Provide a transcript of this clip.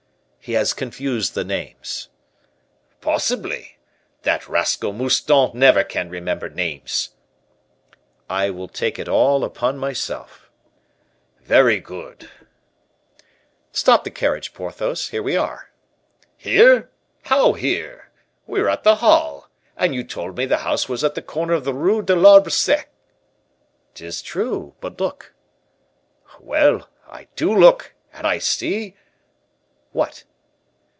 "He has confused the names." "Possibly. That rascal Mouston never can remember names." "I will take it all upon myself." "Very good." "Stop the carriage, Porthos; here we are." "Here! how here? We are at the Halles; and you told me the house was at the corner of the Rue de l'Arbre Sec." "'Tis true, but look." "Well, I do look, and I see " "What?"